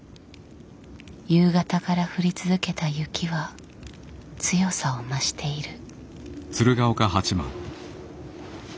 夕方から降り続けた雪は強さを増している。